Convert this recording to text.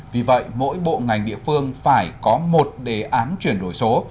vì vậy mỗi bộ ngành địa phương phải có một đề án chuyển đổi số